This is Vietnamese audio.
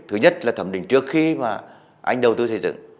thứ nhất là thẩm định trước khi mà anh đầu tư xây dựng